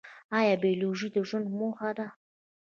ایا بیولوژي د ژوند پوهنه ده؟